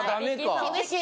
厳しい。